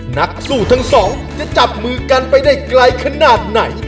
นักสู้ทั้งสองจะจับมือกันไปได้ไกลขนาดไหน